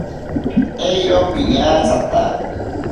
Eiro piñatsata.